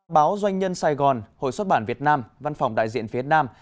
báo doanh nhân sài gòn hội xuất bản việt nam văn phòng đại diện phía nam